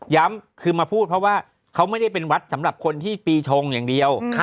คือมาพูดเพราะว่าเขาไม่ได้เป็นวัดสำหรับคนที่ปีชงอย่างเดียว